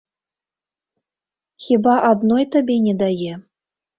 Хіба адной табе не дае.